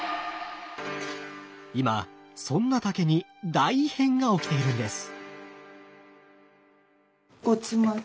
今そんな竹に大異変が起きているんです。